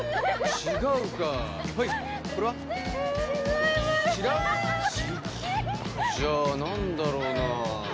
違うかじゃあ何だろうな